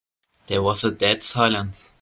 There was a dead silence.